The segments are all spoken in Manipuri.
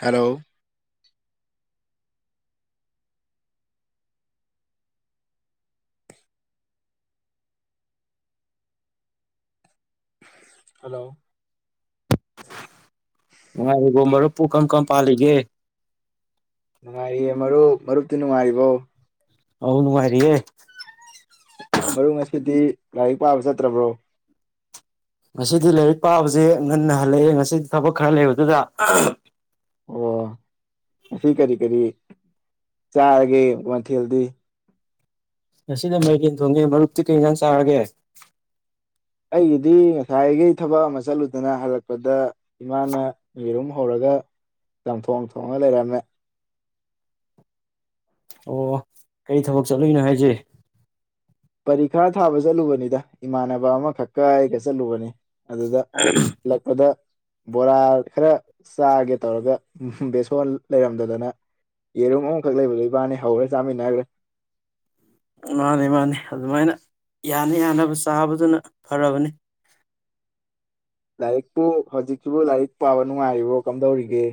ꯍꯂꯣ꯫ ꯍꯂꯣ꯫ ꯅꯨꯡꯉꯥꯏꯔꯤꯕꫭ ꯃꯔꯨꯞꯄꯨ ꯀꯝ ꯀꯝ ꯄꯥꯜꯂꯤꯒꯦ꯫ ꯅꯨꯡꯉꯥꯏꯔꯤꯌꯦ ꯃꯔꯨꯞ ꯃꯔꯨꯞꯇꯤ ꯅꯨꯡꯉꯥꯏꯔꯤꯕꯣ꯫ ꯑꯧ ꯅꯨꯡꯉꯥꯏꯔꯤꯌꯦ꯫ ꯃꯔꯨꯞ ꯉꯁꯤꯗꯤ ꯂꯥꯏꯔꯤꯛ ꯄꯥꯕ ꯆꯠꯇ꯭ꯔꯕ꯭ꯔꯣ꯫ ꯉꯁꯤꯗꯤ ꯂꯥꯏꯔꯤꯛ ꯄꯥꯕꯁꯦ ꯉꯟꯅ ꯍꯜꯂꯛꯑꯦ ꯉꯁꯤꯗꯤ ꯊꯕꯛ ꯈꯔ ꯂꯩꯕꯗꯨꯗꯥ ꯑꯍꯍꯝ꯫ ꯑꯣ ꯑꯁꯤ ꯀꯔꯤ ꯀꯔꯤ ꯆꯥꯔꯒꯦ ꯃꯊꯦꯜꯗꯤ꯫ ꯉꯁꯤꯗ ꯃꯩꯔꯦꯟ ꯊꯣꯡꯉꯦ ꯃꯔꯨꯞꯇꯤ ꯀꯩ ꯍꯤꯟꯖꯥꯡ ꯆꯥꯔꯒꯦ꯫ ꯑꯩꯒꯤꯗꯤ ꯉꯁꯥꯏꯈꯩ ꯊꯕꯛ ꯑꯃ ꯆꯠꯂꯨꯗꯅ ꯍꯜꯂꯛꯄꯗ ꯏꯃꯥꯅ ꯌꯦꯔꯨꯝ ꯍꯧꯔꯒ ꯆꯝꯊꯣꯡ ꯊꯣꯡꯉ ꯂꯩꯔꯝꯃꯦ꯫ ꯑꯣ ꯀꯔꯤ ꯊꯕꯛ ꯆꯠꯂꯨꯏꯅꯣ ꯍꯥꯏꯖꯦ꯫ ꯄꯔꯤꯈꯥ ꯊꯥꯕ ꯆꯠꯂꯨꯕꯅꯤꯗ ꯏꯃꯥꯟꯅꯕ ꯑꯃꯈꯛꯀ ꯑꯩꯒ ꯆꯠꯂꯨꯕꯅꯤ꯫ ꯑꯗꯨꯗ ꯂꯛꯄꯗ ꯕꯣꯔꯥ ꯈꯔ ꯆꯥꯒꯦ ꯇꯧꯔꯒ ꯕꯦꯁꯣꯟ ꯂꯩꯔꯝꯗꯗꯅ ꯌꯦꯔꯨꯝ ꯑꯍꯨꯝꯈꯛ ꯂꯩꯕꯗꯨ ꯏꯕꯥꯅꯤ ꯍꯧꯔ ꯆꯥꯃꯤꯟꯅꯈꯒ꯭ꯔꯦ꯫ ꯃꯥꯅꯤ ꯃꯥꯅꯤ ꯑꯗꯨꯃꯥꯏꯅ ꯌꯥꯅꯤ ꯌꯥꯅꯕ ꯆꯥꯕꯗꯨꯅ ꯐꯔꯕꯅꯤ꯫ ꯂꯥꯏꯔꯤꯛꯄꯨ ꯍꯧꯖꯤꯛꯁꯤꯕꯨ ꯂꯥꯏꯔꯤꯛ ꯄꯥꯕ ꯅꯨꯡꯉꯥꯏꯔꯤꯕꯣ ꯀꯝꯗꯧꯔꯤꯒꯦ꯫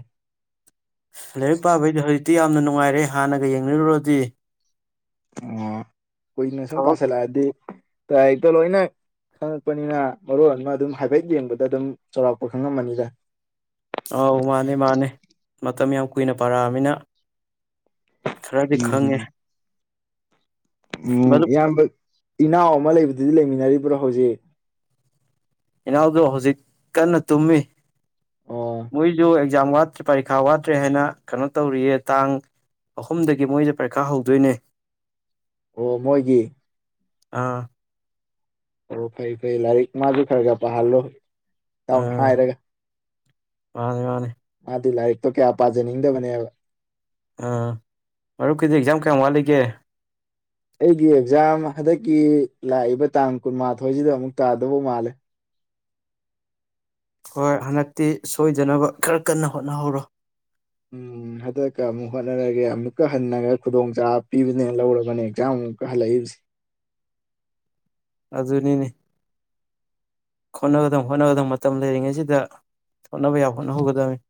ꯂꯥꯏꯔꯤꯛ ꯄꯥꯕꯩꯗꯤ ꯍꫭ ꯇꯤ ꯌꯥꯝꯅ ꯅꯨꯡꯉꯥꯏꯔꯦ ꯍꯥꯟꯅꯒ ꯌꯦꯡꯅꯔꯨꯔꯗꯤ ꯑꯑ ꯀꯨꯏꯅ ꯁꯨꯝ ꯊꯕꯛ ꯄꯁꯤꯜꯂꯛꯑꯗꯤ [unintelligible] ꯂꯣꯏꯅ ꯈꯪꯉꯛꯄꯅꯤꯅ ꯃꯔꯣꯟ ꯑꯃ ꯑꯗꯨꯝ ꯍꯥꯏꯐꯦꯠ ꯌꯦꯡꯕꯗ ꯑꯗꯨꯝ ꯆꯥꯎꯔꯥꯛꯄ ꯈꯪꯉꯝꯃꯅꯤꯗ꯫ ꯑꯧ ꯃꯥꯅꯦ ꯃꯥꯅꯦ ꯃꯇꯝ ꯌꯥꯝ ꯀꯨꯏꯅ ꯄꯥꯔꯛꯑꯝꯅꯤꯅ ꯈꯔꯗꯤ ꯈꯪꯉꯦ꯫ ꯎꯝ ꯎꯝ ꯃꯔꯨꯞ ꯏꯌꯥꯝꯕ ꯏꯅꯥꯎ ꯑꯃ ꯂꯩꯕꯗꯨꯗꯤ ꯂꯩꯃꯤꯟ ꯅꯔꯤꯕ꯭ꯔꫭ ꯍꯧꯖꯤꯛ ꯏꯅꯥꯎꯗꯣ ꯍꯧꯖꯤꯛ ꯀꯟꯅ ꯇꯨꯝꯃꯤ꯫ ꯑꯣ ꯃꫭꯏꯁꯨ ꯑꯦꯛ ꯑꯦꯛꯖꯥꯝ ꯋꯥꯠꯇ꯭ꯔꯦ ꯄꯔꯤꯈꯥ ꯋꯥꯠꯇ꯭ꯔꯦ ꯍꯥꯏꯅ ꯀꯩꯅꯣ ꯇꯧꯔꯤꯌꯦ ꯇꯥꯡ ꯑꯍꯨꯝꯗꯒꯤ ꯃꯣꯏꯁꯨ ꯄꯔꯤꯈꯥ ꯍꯧꯗꯣꯏꯅꯦ꯫ ꯑꯣ ꯃꯣꯏꯒꯤ ꯑꯥ ꯑꯣ ꯐꯩ ꯐꯩ ꯂꯥꯏꯔꯤꯛ ꯃꯥꯖꯨ ꯈꯔꯒ ꯄꯥꯥꯍꯜꯂꯨ꯫ ꯇꯥꯎꯅ ꯍꯥꯏꯔꯒ ꯃꯥꯅꯦ ꯃꯥꯅꯦ꯫ ꯃꯥꯗꯤ ꯂꯥꯏꯔꯤꯛꯇꯣ ꯀꯌꯥ ꯄꯥꯖꯅꯤꯡꯗꯕꯅꯦꯕ꯫ ꯑ ꯃꯔꯨꯞꯀꯤꯗꯤ ꯑꯦꯛꯖꯥꯝ ꯀꯌꯥꯝ ꯋꯥꯠꯂꯤꯒꯦ ꯑꯩꯒꯤ ꯑꯦꯛꯖꯥꯝ ꯍꯟꯗꯛꯀꯤ ꯂꯥꯛꯏꯕ ꯇꯥꯡ ꯀꯨꯟꯃꯥꯊꯣꯏꯖꯤꯗ ꯑꯃꯨꯛ ꯇꯥꯗꯧꯕ ꯃꯥꯜꯂꯦ꯫ ꯍꯣꯏ ꯍꯟꯗꯛꯇꯤ ꯁꯣꯏꯗꯅꯕ ꯈꯔ ꯀꯟꯅ ꯍꯣꯠꯅꯍꯧꯔꯣ꯫ ꯎꯝ ꯍꯟꯗꯛꯀ ꯑꯃꯨꯛ ꯍꯣꯠꯅꯔꯒꯦ ꯑꯃꯨꯛꯀ ꯍꯟꯅꯒ ꯈꯨꯗꯣꯡꯆꯥꯥꯕ ꯄꯤꯕꯅꯦꯅ ꯂꯧꯔꯕꯅꯦ ꯑꯦꯛꯖꯥꯝ ꯑꯃꯨꯛꯀ ꯍꯜꯂꯛꯏꯕꯁꯦ꯫ ꯑꯗꯨꯅꯤꯅꯦ ꯍꯣꯠꯅꯒꯗꯝ ꯍꯣꯠꯅꯒꯗꯝ ꯃꯇꯝ ꯂꯩꯔꯤꯉꯩꯁꯤꯗ ꯍꯣꯠꯅꯕ ꯌꯥꯕ ꯍꯣꯠꯅꯍꯧꯒꯗꯕꯅꯤ꯫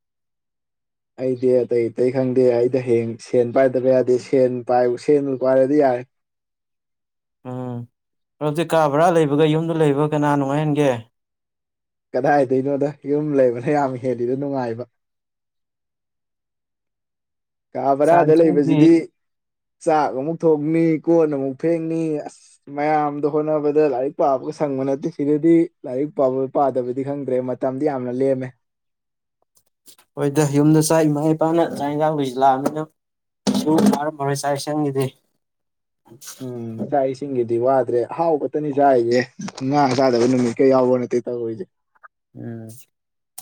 ꯑꯩꯗꯤ ꯑꯇꯩ ꯑꯇꯩ ꯈꯪꯗꯦ ꯑꯩꯗ ꯍꯌꯦꯡ ꯁꯦꯟ ꯄꯥꯏꯗꯕ ꯌꯥꯗꯦ ꯁꯦꯟ ꯄꯥꯏ ꯁꯦꯟꯕꯨ ꯄꯥꯏꯔꯗꯤ ꯌꯥꯔꯦ꯫ ꯎꯝ ꯑꯗꯨꯗꯤ ꯀꯥ ꯚꯔꯥ ꯂꯩꯕꯒ ꯌꯨꯝꯗ ꯂꯩꯕ ꯀꯅꯥ ꯅꯨꯡꯉꯥꯏ ꯍꯦꯟꯒꯦ ꯀꯗꯥꯏꯗꯩꯅꯣꯗ ꯌꯨꯝ ꯂꯩꯕꯅ ꯌꯥꯝ ꯍꯦꯜꯂꯤꯗ ꯅꯨꯡꯉꯥꯏꯕ꯫ ꯀꯥ ꯆꯥꯛ ꯕꯔꯥꯗ ꯏꯁꯤꯡꯗꯤ ꯂꯩꯕꯖꯤꯗꯤ ꯆꯥꯛ ꯑꯃꯨꯛ ꯊꯣꯡꯅꯤ ꯀꯣꯟ ꯑꯃꯨꯛ ꯐꯦꯡꯅꯤ ꯑꯁ ꯃꯌꯥꯝꯗꯣ ꯍꯣꯠꯅꯕꯗ ꯂꯥꯏꯔꯤꯛ ꯄꯥꯕꯒ ꯁꯪꯕ ꯅꯠꯇꯦ ꯁꯤꯗꯗꯤ ꯂꯥꯏꯔꯤꯛ ꯄꯥꯕ ꯄꯥꯗꯕꯗꯤ ꯈꯪꯗ꯭ꯔꯦ ꯃꯇꯝꯗꯤ ꯌꯥꯝꯅ ꯂꯦꯝꯃꯦ꯫ ꯍꯣꯏꯗ ꯌꯨꯝꯗ ꯆꯥꯛ ꯏꯃꯥ ꯏꯄꯥꯅ ꯆꯥꯛ ꯏꯟꯖꯥꯡ ꯂꯣꯏꯁꯤꯂꯥꯛꯑꯝꯅꯤꯅ [unintelligible] ꯐꯥꯔꯝꯃꯔꯣꯏ ꯆꯥꯛ ꯏꯟꯁꯥꯡꯒꯤꯗꯤ꯫ ꯎꯝ ꯆꯥꯛ ꯏꯁꯤꯡꯒꯗꯤ ꯋꯥꯠ ꯗ꯭ꯔꯦ ꯑꯍꯥꯎꯕꯇꯅꯤ ꯆꯥꯔꯤꯖꯦ ꯉꯥ ꯆꯥꯗꯕ ꯅꯨꯃꯤꯠꯀ ꯌꯥꯎꯕ ꯅꯠꯇꯦ ꯇꯧꯔꯤꯖꯦ꯫ ꯎꯝ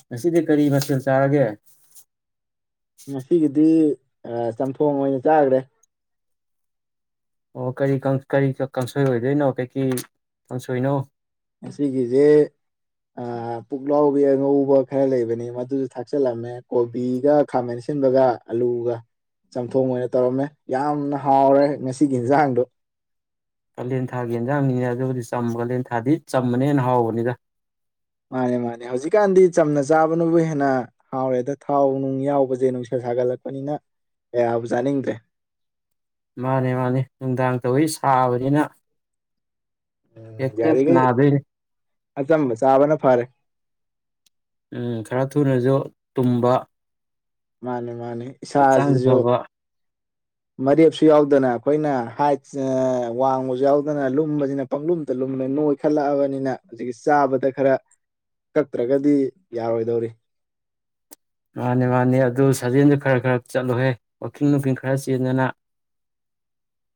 ꯉꯁꯤꯗꯤ ꯀꯔꯤ ꯃꯊꯦꯜ ꯆꯥꯔꯒꯦ ꯉꯁꯤꯒꯤꯗꯤ ꯑ ꯆꯝꯊꯣꯡ ꯑꯣꯏꯅ ꯆꯥꯒꯔꯦ꯫ ꯑꯣ ꯀꯔꯤ ꯀꯥꯡ ꯀꯔꯤ ꯀꯥꯡꯁꯣꯏ ꯑꯣꯏꯗꯣꯏꯅꯣ ꯀꯩꯀꯩ ꯀꯥꯡꯁꯣꯏꯅꯣ꯫ ꯉꯁꯤꯒꯤꯖꯦ ꯑꯥ ꯄꯨꯛꯂꯥꯎꯕꯤ ꯑꯉꯧꯕ ꯈꯔ ꯂꯩꯕꯅꯦ ꯃꯗꯨꯁꯨ ꯊꯥꯛꯆꯜꯂꯝꯃꯦ ꯀꯣꯕꯤꯒ ꯈꯥꯃꯦꯟ ꯑꯁꯤꯟꯕꯒ ꯑꯂꯨꯒ ꯆꯝꯊꯣꯡ ꯑꯣꯏꯅ ꯇꯧꯔꯝꯃꯦ ꯌꯥꯝꯅ ꯍꯥꯎꯔꯦ ꯉꯁꯤꯒꯤ ꯍꯦꯟꯖꯥꯡꯗꯣ꯫ ꯀꯥꯂꯦꯟ ꯊꯥꯒꯤ ꯌꯦꯟꯖꯥꯡꯅꯤꯅꯦ ꯑꯗꯨꯕꯨꯗꯤ ꯆꯝꯕ ꯀꯥꯂꯦꯟ ꯊꯥꯗꯤ ꯆꯝꯕꯅ ꯍꯦꯟꯅ ꯍꯥꯎꯕꯅꯤꯗ꯫ ꯃꯥꯅꯦ ꯃꯥꯅꯦ ꯍꯧꯖꯤꯛꯀꯥꯟꯗꯤ ꯆꯝꯅ ꯆꯥꯕꯅꯕꯨ ꯍꯦꯟꯅ ꯍꯥꯎꯔꯦꯗ ꯊꯥꯎ ꯅꯨꯡ ꯌꯥꯎꯕꯁꯦ ꯅꯨꯡꯁꯥ ꯁꯥꯒꯠꯂꯛꯄꯅꯤꯅ ꯀꯌꯥꯕꯨ ꯆꯥꯅꯤꯡꯗ꯭ꯔꯦ꯫ ꯃꯥꯅꯦ ꯃꯥꯅꯦ ꯅꯨꯡꯗꯥꯡ ꯇꯧꯋꯤ ꯁꯥꯕꯅꯤꯅ ꯎꯝ [unintelligible] ꯌꯥꯔꯤꯈꯩ ꯅꯥꯗꯨꯏꯅꯤ꯫ ꯑꯆꯝꯕ ꯆꯥꯕꯅ ꯐꯔꯦ꯫ ꯎꯝ ꯈꯔ ꯊꯨꯅꯁꯨ ꯇꯨꯝꯕ ꯃꯥꯅꯦ ꯃꯥꯅꯦ꯫ ꯍꯛꯆꯥꯡꯁꯨ ꯏꯁꯥꯖꯤꯁꯨ ꯐꯕ ꯃꯔꯦꯞꯁꯨ ꯌꯥꯎꯗꯅ ꯑꯈꯣꯏꯅ ꯍꯥꯏꯠ ꯑꯥ ꯋꯥꯡꯕꯁꯨ ꯌꯥꯎꯗꯅ ꯂꯨꯝꯕꯁꯤꯅ ꯄꯪꯂꯨꯝꯇ ꯂꯨꯝꯃꯦ ꯅꯣꯏꯈꯠꯂꯛꯑꯕꯅꯤꯅ ꯍꯧꯖꯤꯛꯀꯤ ꯆꯥꯕꯗ ꯈꯔ ꯀꯛꯇ꯭ꯔꯒꯗꯤ ꯌꯥꯔꯣꯏꯗꯧꯔꯤ꯫ ꯃꯥꯅꯦ ꯃꯥꯅꯦ ꯑꯗꯨ ꯁꯥꯖꯦꯜꯗꯨ ꯈꯔ ꯈꯔ ꯆꯠꯂꯨꯍꯦ ꯋꯥꯀꯤꯡ ꯅꯨꯡꯀꯤꯡ ꯈꯔ ꯆꯦꯟꯗꯅ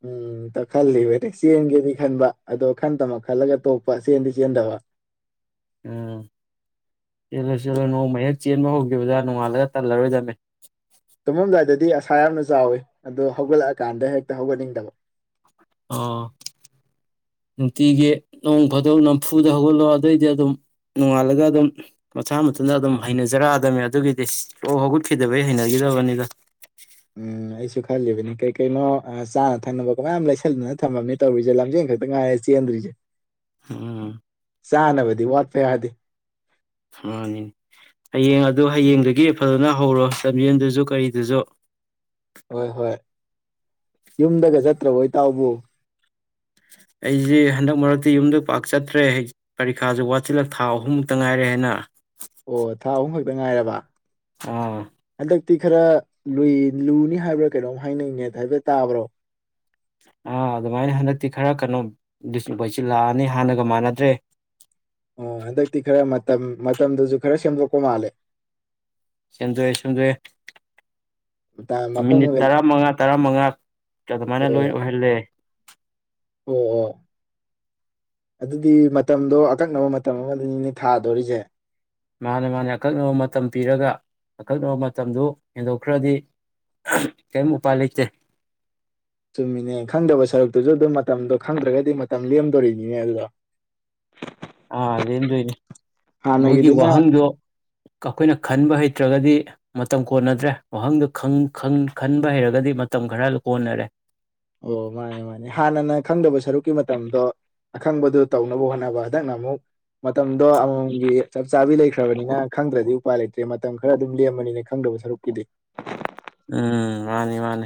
ꯎꯝ ꯇꯥ ꯈꯜꯂꯤꯕꯅꯤ ꯆꯦꯟꯒꯦꯗꯤ ꯈꯟꯕ ꯑꯗꯣ ꯈꯟꯗꯃꯛ ꯈꯜꯂꯒ ꯇꯣꯛꯄ ꯆꯦꯟꯗꯤ ꯆꯦꯟꯗꯕ꯫ ꯎꯝ ꯆꯦꯜꯂꯣ ꯆꯦꯜꯂꯣ ꯅꯣꯡꯃ ꯍꯦꯛ ꯆꯦꯟꯕ ꯍꯧꯈꯤꯕꯗ ꯅꯣꯡꯉꯥꯟꯂꯒ ꯇꯜꯂꯔꯣꯏꯗꯝꯅꯦ꯫ ꯇꯨꯝꯃꯝꯗꯥꯏꯗꯗꯤ ꯑꯁꯥ ꯌꯥꯝꯅ ꯆꯥꯎꯋꯤ ꯑꯗꯣ ꯍꯧꯒꯠꯂꯛꯑꯀꯥꯟꯗ ꯍꯦꯛꯇ ꯍꯧꯒꯠꯅꯤꯡꯗꯕ꯫ ꯑꯣ ꯅꯨꯡꯇꯤꯒꯤ ꯅꯣꯡ ꯐꯥꯗꯣꯛ ꯅꯝꯐꯨꯗ ꯍꯧꯒꯠꯂꯣ ꯑꯗꯣꯏꯗꯤ ꯑꯗꯨꯝ ꯅꯣꯡꯉꯥꯜꯂꯒ ꯑꯗꯨꯝ ꯃꯁꯥ ꯃꯊꯟꯇ ꯑꯗꯨꯝ ꯍꯩꯅꯖꯔꯛꯑꯗꯕꯅꯤ ꯑꯗꯨꯒꯤꯗꯤ ꯁꯨꯛꯍꯧ ꯍꯧꯒꯠꯈꯤꯗꯕꯩ ꯍꯩꯅꯒꯤꯗꯕꯅꯤꯗ꯫ ꯎꯝ ꯑꯩꯁꯨ ꯈꯜꯂꯤꯕꯅꯦ ꯀꯩ ꯀꯩꯅꯣ ꯆꯥꯅ ꯊꯛꯅꯕ ꯃꯌꯥꯝ ꯂꯩꯁꯟꯗꯅ ꯊꯝꯃꯝꯅꯦ ꯇꯧꯔꯤꯁꯦ ꯂꯝꯖꯦꯟ ꯈꯛꯇ ꯉꯥꯏꯔꯦ ꯆꯦꯟꯗ꯭ꯔꯤꯁꯦ꯫ ꯎꯝ ꯆꯥꯅꯕꯗꯤ ꯋꯥꯠꯄ ꯌꯥꯗꯦ꯫ ꯃꯥꯅꯤ ꯍꯌꯦꯡ ꯑꯗꯨ ꯍꯌꯦꯡꯗꯒꯤ ꯐꯖꯅ ꯍꯧꯔꯣ ꯂꯝꯖꯦꯜꯗꯨꯁꯨ ꯀꯩꯗꯨꯁꯨ꯫ ꯍꯣꯏ ꯍꯣꯏ ꯌꯨꯝꯗꯒ ꯆꯠꯇ꯭ꯔꯕꯣ ꯏꯇꯥꯎꯕꯨ꯫ ꯑꯩꯁꯦ ꯍꯟꯗꯛ ꯃꯔꯛꯇꯤ ꯌꯨꯝꯗ ꯄꯥꯛ ꯆꯠꯇ꯭ꯔꯦ ꯄꯥꯔꯤꯈꯁꯨ ꯋꯥꯠꯁꯤꯜꯂꯛ ꯊꯥ ꯑꯍꯨꯝꯃꯨꯛꯇ ꯉꯥꯏꯔꯦ ꯍꯥꯏꯅ ꯑꯣ ꯊꯥ ꯑꯍꯨꯝ ꯈꯛꯇ ꯉꯥꯏꯔꯕ ꯑꯥ ꯇꯤ ꯈꯔ ꯂꯨꯏ ꯂꯨꯅꯤ ꯍꯥꯏꯕ꯭ꯔꯥ ꯀꯩꯅꯣꯝ ꯍꯥꯏꯅꯩꯅꯦ ꯍꯥꯏꯐꯦꯠ ꯇꯥꯕꯔꯣ ꯑꯥ ꯑꯗꯨꯃꯥꯏꯅ ꯍꯟꯗꯛꯇꯤ ꯈꯔ ꯀꯩꯅꯣ [unintelligible] ꯂꯥꯛꯑꯅꯤ ꯍꯥꯟꯅꯒ ꯃꯥꯟꯅꯗ꯭ꯔꯦ꯫ ꯑꯣ ꯍꯟꯗꯛꯇꯤ ꯈꯔ ꯃꯇꯝ ꯃꯇꯝꯗꯖꯨ ꯈꯔ ꯁꯦꯝꯗꯣꯛꯄ ꯃꯥꯜꯂꯦ꯫ ꯁꯦꯝꯗꯣꯛꯑꯦ ꯁꯦꯝꯗꯣꯛꯑꯦ꯫ ꯃꯇꯥ- ꯃꯐꯝ ꯃꯤꯅꯤꯠ ꯑꯃꯒ ꯇꯔꯥꯃꯉꯥ ꯇꯔꯥꯃꯉꯥ ꯑꯗꯨꯃꯥꯏꯅ ꯑꯣ ꯂꯣꯏ ꯑꯣꯏꯍꯜꯂꯦ꯫ ꯑꯣ ꯑꯣ ꯑꯗꯨꯗꯤ ꯃꯇꯝꯗꯣ ꯑꯀꯛꯅꯕ ꯃꯇꯝ ꯑꯃꯗꯅꯤꯅꯦ ꯊꯥꯗꯣꯔꯤꯖꯦ꯫ ꯃꯥꯅꯦ ꯃꯥꯅꯦ ꯑꯀꯛꯅꯕ ꯃꯇꯝ ꯄꯤꯔꯒ ꯑꯀꯛꯅꯕ ꯃꯇꯝꯗꯨ ꯍꯦꯟꯗꯣꯛꯈ꯭ꯔꯗꯤ ꯀꯌꯤꯝ ꯎꯄꯥꯏ ꯂꯩꯇꯦ꯫ ꯆꯨꯝꯃꯤꯅꯦ ꯈꯪꯗꯕ ꯁꯔꯨꯛꯇꯨꯖꯨ ꯑꯗꯨꯝ ꯃꯇꯝꯗꯣ ꯈꯪꯗ꯭ꯔꯒꯗꯤ ꯃꯇꯝ ꯂꯦꯝꯗꯣꯔꯤꯅꯤꯅꯦ ꯑꯗꯨꯗ ꯑꯥ ꯂꯦꯝꯗꯣꯏꯅꯤ ꯃꯣꯏꯒꯤ ꯍꯥꯟꯅꯒꯤꯗꯨꯅ ꯋꯥꯍꯪꯗꯣ ꯀ ꯑꯈꯣꯏꯅ ꯈꯟꯕ ꯍꯩ ꯅꯠꯇ꯭ꯔꯒꯗꯤ ꯃꯇꯝ ꯀꯣꯟꯅꯗ꯭ꯔꯦ ꯋꯥꯍꯪꯗꯣ ꯈꯪ ꯈꯪ ꯈꯟꯕ ꯍꯩꯔꯒꯗꯤ ꯃꯇꯝ ꯈꯔ ꯀꯣꯟꯅꯔꯦ꯫ ꯑꯣ ꯃꯥꯅꯦ ꯃꯥꯅꯦ ꯍꯥꯟꯅꯅ ꯈꯪꯗꯕ ꯁꯔꯨꯛꯀꯤ ꯃꯇꯝꯗꯣ ꯑꯈꯪꯕꯗꯨ ꯇꯧꯅꯕ ꯍꯣꯠꯅꯕ ꯍꯟꯗꯛꯅ ꯑꯃꯨꯛ ꯃꯇꯝꯗꯣ ꯑꯃꯃꯝꯒꯤ ꯆꯞ ꯆꯥꯕꯤ ꯂꯩꯈ꯭ꯔꯕꯅꯤꯅ ꯈꯪꯗ꯭ꯔꯗꯤ ꯎꯄꯥꯏ ꯂꯩꯇ꯭ꯔꯦ ꯃꯇꯝ ꯈꯔ ꯑꯗꯨꯝ ꯂꯦꯝꯕꯅꯤꯅ ꯈꯪꯗꯕ ꯁꯔꯨꯛꯀꯤꯗꯤ꯫ ꯎꯝ ꯃꯥꯅꯤ ꯃꯥꯅꯦ꯫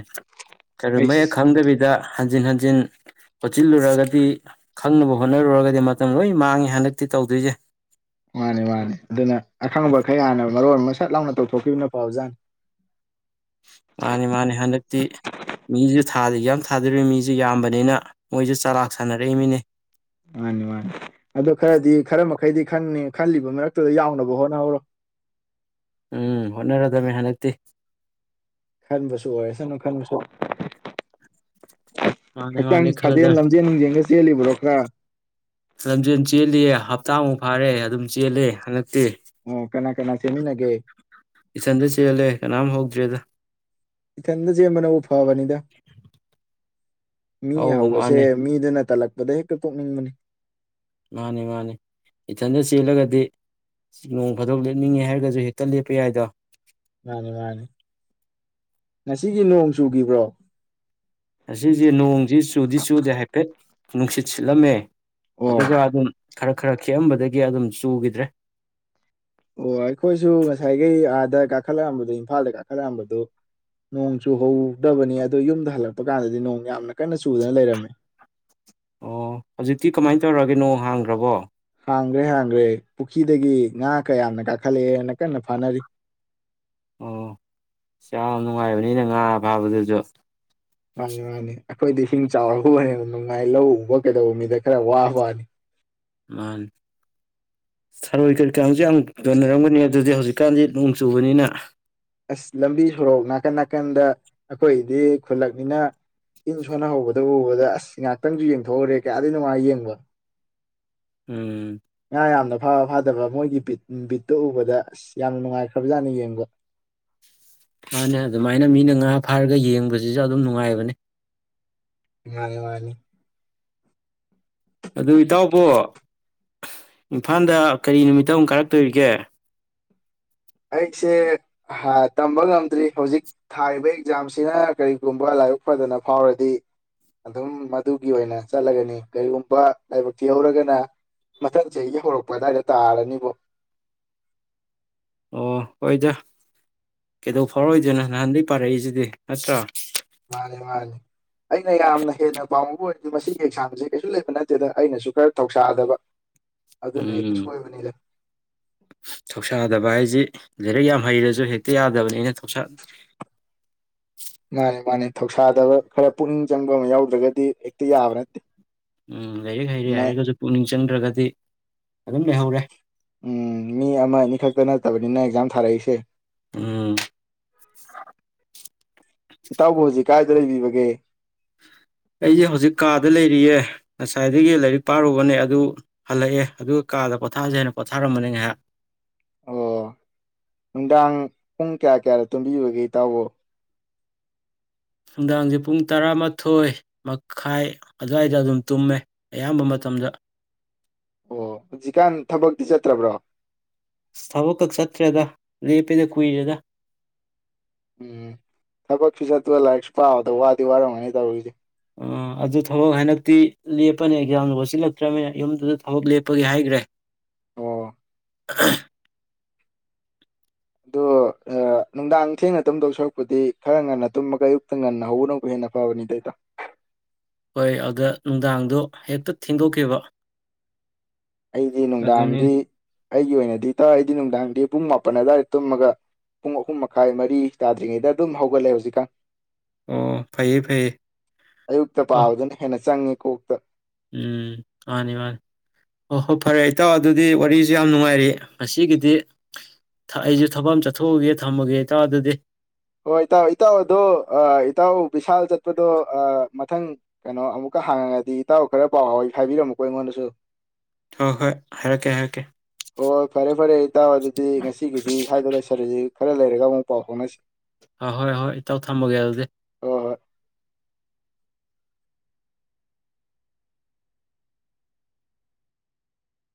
ꯀꯔꯤꯒꯨꯝꯕ ꯍꯦꯛ ꯑꯩꯁ ꯈꯪꯗꯕꯤꯗ ꯍꯟꯖꯤꯟ ꯍꯟꯖꯤꯟ ꯍꯣꯠꯆꯤꯜꯂꯨꯔꯒꯗꯤ ꯈꯪꯅꯕ ꯍꯣꯠꯅꯔꯨꯔꯒꯗꯤ ꯃꯇꯝ ꯂꯣꯏ ꯃꯥꯡꯉꯦ ꯍꯟꯗꯛꯇꯤ ꯇꯧꯗꯣꯏꯖꯦ꯫ ꯃꯥꯅꯤ ꯃꯥꯅꯤ ꯑꯗꯨꯅ ꯑꯈꯪꯕ ꯈꯩ ꯍꯥꯟꯅ ꯃꯔꯣꯟ ꯑꯃ ꯁꯠ ꯂꯥꯎꯅ ꯇꯧꯊꯣꯛꯈꯤꯕꯅ ꯐꯕꯖꯥꯠꯅꯤ꫰ ꯊꯥꯗꯤ ꯑꯦꯛꯖꯥꯝ ꯊꯥꯗꯣꯔꯤ ꯃꯤꯖꯤ ꯌꯥꯝꯕꯅꯤꯅ ꯃꯣꯏꯖꯨ ꯆꯂꯥꯛ ꯁꯥꯟꯅꯔꯛꯏꯝꯅꯤꯅꯦ꯫ ꯃꯥꯅꯤ ꯃꯥꯅꯤ ꯑꯗꯣ ꯈꯔꯗꯤ ꯈꯔ ꯃꯈꯩꯗꯤ ꯈꯟꯅꯤ ꯈꯜꯂꯤꯕ ꯃꯔꯛꯇꯨꯗ ꯌꯥꯎꯅꯕ ꯍꯣꯠꯅꯍꯧꯔꯣ꯫ ꯎꯝ ꯍꯣꯠꯅꯔꯗꯝꯅꯦ ꯍꯟꯗꯛꯇꯤ꯫ ꯈꯟꯕꯁꯨ ꯑꯣꯏꯔꯁꯅꯨ ꯈꯟꯕꯁꯨ ꯃꯥꯅꯦ ꯍꯛꯆꯥꯡ ꯃꯥꯅꯦ ꯈꯜꯂꯗ ꯁꯥꯖꯦꯜ ꯂꯝꯖꯦꯜ ꯅꯨꯡꯖꯦꯜꯒ ꯆꯦꯜꯂꯤꯕ꯭ꯔꯣ ꯈꯔ ꯂꯝꯖꯦꯟ ꯆꯦꯜꯂꯤꯌꯦ ꯍꯞꯇꯥꯃꯨꯛ ꯐꯥꯔꯦ ꯑꯗꯨꯝ ꯆꯦꯜꯂꯦ ꯍꯟꯗꯛ ꯇꯦ꯫ ꯑꯣ ꯀꯅꯥ ꯀꯅꯥ ꯆꯦꯟꯃꯤꯟꯅꯒꯦ꯫ ꯏꯊꯟꯗ ꯆꯦꯜꯂꯦ ꯀꯅꯥꯝ ꯍꯧꯗ꯭ꯔꯦꯗ꯫ ꯏꯊꯟꯗ ꯆꯦꯟꯕꯅꯕꯨ ꯐꯕꯅꯤꯗ꯫ [inaudible] ꯃꯤ ꯑꯧ ꯍꯧꯕꯁꯦ ꯃꯥꯅꯦ ꯃꯤꯗꯨꯅ ꯇꯜꯂꯛ ꯑꯗꯩ ꯍꯦꯛꯇ ꯇꯣꯛꯅꯤꯡꯕꯅꯤ꯫ ꯃꯥꯅꯤ ꯃꯥꯅꯤ ꯏꯊꯟꯗ ꯆꯦꯜꯂꯒꯗꯤ ꯅꯣꯡ ꯐꯥꯗꯣꯛ ꯂꯦꯞꯅꯤꯡꯉꯦ ꯍꯥꯏꯔꯒꯁꯨ ꯍꯦꯛꯇ ꯂꯦꯞꯄ ꯌꯥꯏꯗꯣ꯫ ꯃꯥꯅꯤ ꯃꯥꯅꯤ ꯉꯁꯤꯒꯤ ꯅꯣꯡ ꯆꯨꯒꯤꯕ꯭ꯔꯣ꯫ ꯉꯁꯤꯁꯦ ꯅꯣꯡꯁꯤ ꯆꯨꯗꯤ ꯆꯨꯗꯦ ꯍꯥꯏꯐꯦꯠ ꯅꯨꯡꯁꯤꯠ ꯁꯤꯠꯂꯝꯃꯦ ꯑꯗꯨꯒ ꯑꯣ ꯑꯗꯨꯝ ꯈꯔ ꯈꯔ ꯈꯤꯛꯑꯝꯕꯗꯒꯤ ꯑꯗꯨꯝ ꯆꯨꯈꯤꯗ꯭ꯔꯦ꯫ ꯗ ꯀꯥꯈꯠꯂꯛꯑꯝꯕꯗꯨ ꯏꯝꯐꯥꯜꯗ ꯀꯥꯈꯠꯂꯛꯑꯝꯕꯗꯨ ꯅꯣꯡ ꯆꯨꯍꯧꯗꯕꯅꯤ ꯑꯗꯣ ꯌꯨꯝꯗ ꯍꯜꯂꯛꯄ ꯀꯥꯟꯗꯗꯤ ꯅꯣꯡ ꯌꯥꯝꯅ ꯀꯟꯅ ꯆꯨꯗꯅ ꯂꯩꯔꯝꯃꯦ꯫ ꯑꯣ ꯍꯧꯖꯤꯛꯇꯤ ꯀꯃꯥꯏꯅ ꯇꯧꯔꯒꯦ ꯅꯣꯡ ꯍꯥꯡꯒ꯭ꯔꯕꯣ꯫ ꯍꯥꯡꯒ꯭ꯔꯦ ꯍꯥꯡꯒ꯭ꯔꯦ ꯄꯨꯈꯤꯗꯒꯤ ꯉꯥ ꯀꯌꯥꯝꯅ ꯀꯥꯈꯠꯂꯛꯑꯦꯅ ꯀꯟꯅ ꯐꯥꯅꯔꯤ꯫ ꯑꯣ ꯌꯥꯝ ꯅꯨꯡꯉꯥꯏꯕꯅꯤꯅ ꯉꯥ ꯐꯥꯕꯗꯨꯁꯨ꯫ ꯃꯥꯅꯤ ꯃꯥꯅꯤ ꯑꯩꯈꯣꯏꯗꯤ ꯏꯁꯤꯡ ꯆꯥꯎꯔ ꯑꯣꯏꯅ ꯅꯨꯡꯉꯥꯏ ꯂꯧ ꯎꯕ ꯀꯩꯗꯧꯕ ꯃꯤꯗ ꯈꯔ ꯋꯥꯕ ꯋꯥꯅꯤ꯫ ꯃꯥꯅꯤ ꯊꯔꯣꯏ ꯀꯔꯤ ꯀꯔꯥꯁꯨ ꯌꯥꯝ ꯌꯣꯟꯅꯔꯝꯒꯅꯤ ꯑꯗꯨꯗꯤ ꯍꯧꯖꯤꯛꯀꯥꯟꯗꯤ ꯅꯣꯡ ꯆꯨꯕꯅꯤꯅ ꯑꯁ ꯂꯝꯕꯤ ꯁꯣꯔꯣꯛ ꯅꯥꯀꯟ ꯅꯥꯀꯟꯗ ꯑꯩꯈꯣꯏꯗꯤ ꯈꯨꯜꯂꯛꯅꯤꯅ ꯏꯟ ꯁꯣꯟꯅꯍꯧꯕꯗ ꯎꯕꯗ ꯑꯁ ꯉꯥꯏꯍꯥꯛꯇꯪꯁꯨ ꯌꯦꯡꯊꯣꯛꯎꯔꯦ ꯀꯌꯥꯗꯤ ꯅꯨꯡꯉꯥꯏ ꯌꯦꯡꯕ ꯎꯝ ꯉꯥ ꯌꯥꯝꯅ ꯐꯥꯕ ꯐꯥꯗꯕ ꯃꯣꯏꯒꯤ ꯕꯤꯠ ꯕꯤꯠꯇꯣ ꯎꯕꯗ ꯑꯁ ꯌꯥꯝ ꯅꯨꯡꯉꯥꯏꯈ꯭ꯔꯕꯖꯥꯠꯅꯤ ꯌꯦꯡꯕ ꯃꯥꯅꯤ ꯑꯗꯨꯃꯥꯏꯅ ꯃꯤꯅ ꯉꯥ ꯐꯥꯔꯒ ꯌꯦꯡꯕꯁꯤꯁꯨ ꯑꯗꯨꯝ ꯅꯨꯡꯉꯥꯏꯕꯅꯤ ꯃꯥꯅꯦ ꯃꯥꯅꯤ ꯑꯗꯨ ꯏꯇꯥꯎꯕꯣ ꯏꯝꯐꯥꯜꯗ ꯀꯔꯤ ꯅꯨꯃꯤꯠꯇ ꯑꯃꯨꯛ ꯀꯥꯔꯛꯇꯧꯔꯤꯒꯦ ꯑꯩꯁꯦ ꯇꯝꯕ ꯉꯝꯗ꯭ꯔꯤ ꯍꯧꯖꯤꯛ ꯊꯥꯔꯤꯕ ꯑꯦꯛꯖꯥꯝꯁꯤꯅ ꯀꯔꯤꯒꯨꯝꯕ ꯂꯥꯏꯕꯛ ꯐꯗꯅ ꯐꯥꯎꯔꯗꯤ ꯑꯗꯨꯝ ꯃꯗꯨꯒꯤ ꯑꯣꯏꯅ ꯆꯠꯂꯒꯅꯤ ꯀꯔꯤꯒꯨꯝꯕ ꯂꯥꯏꯕꯛ ꯊꯤꯍꯧꯔꯒꯅ ꯃꯊꯪꯆꯍꯤꯒꯤ ꯍꯧꯔꯛꯄ ꯑꯗꯥꯏ ꯋꯥꯏꯗ ꯇꯥꯔꯅꯤꯕꯣ ꯑꯣ ꯍꯣꯏꯗ ꯀꯩꯗꯧ ꯐꯥꯎꯔꯣꯏꯗꯣꯏꯅ ꯅꯍꯥꯟꯗꯒꯩ ꯄꯥꯔꯛꯏꯁꯤꯗꯤ ꯅꯠꯇ꯭ꯔꯣ ꯃꯥꯅꯤ ꯃꯥꯅꯤ ꯃꯁꯤ ꯑꯦꯛꯖꯥꯝꯁꯦ ꯀꯩꯁꯨ ꯂꯩꯕ ꯅꯠꯇꯦꯗ ꯑꯩꯅꯁꯨ ꯈꯔ ꯊꯧꯁꯥꯗꯕ ꯑꯗꯨꯅ ꯍꯦꯛꯇ ꯎꯝ ꯁꯣꯏꯕꯅꯤꯗ ꯊꯧꯁꯥꯗꯕ ꯍꯥꯏꯁꯤ ꯂꯥꯏꯔꯤꯛ ꯌꯥꯝ ꯍꯩꯔꯁꯨ ꯍꯦꯛꯇ ꯌꯥꯗꯕꯅꯤꯅꯦ ꯊꯧꯁꯥ ꯃꯥꯅꯤ ꯃꯥꯅꯤ ꯊꯧꯁꯥꯗꯕ ꯈꯔ ꯄꯨꯛꯅꯤꯡ ꯆꯪꯕ ꯑꯃ ꯌꯥꯎꯗ꯭ꯔꯒꯗꯤ ꯍꯦꯛꯇ ꯌꯥꯕ ꯅꯠꯇꯦ ꯎꯝ ꯂꯩꯥꯏꯔꯦ ꯍꯩꯔꯦ ꯃꯦ ꯍꯥꯏꯔꯒꯁꯨ ꯄꯨꯛꯅꯤꯡ ꯆꯪꯗ꯭ꯔꯒꯗꯤ ꯑꯗꯨꯝ ꯂꯩꯍꯧꯔꯦ ꯎꯝ ꯃꯤ ꯑꯃ ꯑꯅꯤ ꯈꯛꯇ ꯅꯠꯇꯕꯅꯤꯅ ꯑꯦꯛꯖꯥꯝ ꯊꯥꯔꯛꯏꯁꯦ꯫ ꯎꯝ ꯏꯇꯥꯎꯕꯨ ꯍꯧꯖꯤꯛ ꯀꯥꯏꯗ ꯂꯩꯔꯤꯕꯒꯦ꯫ ꯑꯩꯁꯦ ꯍꯧꯖꯤꯛ ꯀꯥꯗ ꯂꯩꯔꯤꯌꯦ ꯉꯁꯥꯏꯗꯒꯤ ꯂꯥꯏꯔꯤꯛ ꯄꯥꯔꯨꯕꯅꯦ ꯑꯗꯨ ꯍꯜꯂꯛꯑꯦ ꯑꯗꯨꯒ ꯀꯥꯗ ꯄꯣꯊꯥꯁꯦ ꯍꯥꯏꯅ ꯄꯣꯊꯥꯔꯝꯕꯅꯦ ꯉꯥꯏꯍꯥꯛ꯫ ꯑꯣ ꯅꯨꯡꯗꯥꯡ ꯄꯨꯡ ꯀꯌꯥ ꯀꯌꯥꯗ ꯇꯨꯝꯕꯤꯕꯒꯦ ꯏꯇꯥꯎꯕꫭ꯫ ꯅꯨꯡꯗꯥꯡꯁꯦ ꯄꯨꯡ ꯇꯔꯥꯃꯥꯊꯣꯏ ꯃꯈꯥꯏ ꯑꯗꯨꯋꯥꯏꯗ ꯑꯗꯨꯝ ꯇꯨꯝꯃꯦ ꯑꯌꯥꯝꯕ ꯃꯇꯝꯗ꯫ ꯑꯣ ꯍꯧꯖꯤꯛꯀꯥꯟ ꯊꯕꯛꯇꯤ ꯆꯠꯇ꯭ꯔꯕ꯭ꯔꯣ꯫ ꯁ ꯊꯕꯛꯀꯛ ꯆꯠꯇ꯭ꯔꯗ ꯂꯦꯞꯑꯦꯗ ꯀꯨꯏꯔꯦꯗ꯫ ꯎꯝ ꯊꯕꯛꯁꯨ ꯆꯠꯇꯨ ꯂꯥꯏꯔꯤꯛꯁꯨ ꯄꯥꯕꯗ ꯋꯥꯗꯤ ꯋꯥꯔꯝꯒꯅꯤ ꯇꯧꯔꯤꯁꯦ꯫ ꯑꯗꯨ ꯊꯕꯛ ꯍꯟꯗꯛꯇꯤ ꯂꯦꯞꯄꯅꯤ ꯑꯦꯛꯖꯥꯝꯅ ꯋꯠꯁꯤꯜꯂꯛꯇ꯭ꯔꯕꯅꯤꯅ ꯌꯨꯝꯗꯨꯗ ꯊꯕꯛ ꯂꯦꯞꯄꯒꯤ ꯍꯥꯏꯒ꯭ꯔꯦ꯫ ꯑꯣ [unintelligible] ꯑꯗꯣ ꯅꯨꯡꯗꯥꯡ ꯊꯦꯡꯅ ꯇꯨꯝꯗꯧ ꯁꯔꯨꯛꯄꯨꯗꯤ ꯈꯔ ꯉꯟꯅ ꯇꯨꯝꯑꯒ ꯑꯌꯨꯛꯇ ꯉꯟꯅ ꯍꯧꯒꯠꯄꯅ ꯍꯦꯟꯅ ꯐꯕꯅꯤꯗ ꯏꯇꯥꯎ꯫ ꯍꯣꯏ ꯑꯗ ꯅꯨꯡꯗꯥꯡꯗꯣ ꯍꯦꯛꯇ ꯊꯦꯡꯗꯣꯛꯈꯤꯕ꯫ ꯑꯩꯗꯤ ꯑꯗꯨꯅꯤ ꯅꯨꯡꯗꯥꯡꯗꯤ ꯑꯩꯒꯤ ꯑꯣꯏꯅꯗꯤ ꯇ ꯑꯩꯗꯤ ꯅꯨꯡꯗꯥꯡꯗꯤ ꯄꯨꯡ ꯃꯥꯄꯟ ꯑꯗꯨꯋꯥꯏꯗ ꯇꯨꯝꯃꯒ ꯄꯨꯡ ꯑꯍꯨꯝ ꯃꯈꯥꯏ ꯃꯔꯤ ꯇꯥꯗ꯭ꯔꯤꯉꯩꯗ ꯑꯗꯨꯝ ꯍꯧꯒꯠꯂꯦ ꯍꯧꯖꯤꯛꯀꯥꯟ꯫ ꯑꯣ ꯐꯩꯌꯦ ꯐꯩꯌꯦ ꯑꯌꯨꯛꯇ ꯑꯣ ꯄꯥꯕꯗꯨꯅ ꯍꯦꯟꯅ ꯆꯪꯉꯤ꯫ ꯀꯣꯛꯄ ꯎꯝ ꯃꯥꯅꯤ ꯃꯥꯅꯤ ꯍꫭ ꯍꯣ ꯐꯔꯦ ꯏꯇꯥꯎ ꯑꯗꯨꯗꯤ ꯋꯥꯔꯤꯁꯨ ꯌꯥꯝ ꯅꯨꯡꯉꯥꯏꯔꯤ ꯉꯁꯤꯒꯤꯗꯤ ꯊ ꯑꯩꯁꯨ ꯊꯕꯛ ꯑꯃ ꯆꯠꯊꯣꯛꯎꯒꯦ ꯊꯝꯃꯒꯦ ꯏꯇꯥꯎ ꯑꯗꯨꯗꯤ꯫ ꯍꯣꯏ ꯏꯇꯥꯎ ꯏꯇꯥꯎ ꯑꯗꯣ ꯑ ꯏꯇꯥꯎ ꯕꯤꯁꯥꯜ ꯆꯠꯄꯗꯣ ꯑ ꯃꯊꯪ ꯀꯩꯅꯣ ꯑꯃꯨꯛꯀ ꯍꯥꯡꯉꯛꯑꯗꯤ ꯏꯇꯥꯎ ꯈꯔ ꯄꯥꯎ ꯍꯥꯎ ꯍꯥꯏꯕꯤꯔꯝꯃꯨꯀꯣ ꯑꯩꯉꯣꯟꯗꯁꯨ꯫ ꯍꯣꯏ ꯍꯣꯏ ꯍꯥꯏꯔꯛꯀꯦ ꯍꯥꯏꯔꯛꯀꯦ꯫ ꯍꯣꯏ ꯐꯔꯦ ꯐꯔꯦ ꯏꯇꯥꯎ ꯑꯗꯨꯗꯤ ꯉꯁꯤꯒꯤꯗꯤ ꯁ꯭ꯋꯥꯏꯗ ꯂꯣꯏꯁꯤꯜꯂꯁꯤ ꯈꯔ ꯂꯩꯔꯒ ꯑꯃꯨꯛ ꯄꯥꯎ ꯐꯥꯎꯅꯁꯤ꯫ ꯑꯍꯣꯏ ꯑꯍꯣꯏ ꯏꯇꯥꯎ ꯊꯝꯃꯒꯦ ꯑꯗꯨꯗꯤ꯫ ꯍꯣꯏ ꯍꯣꯏ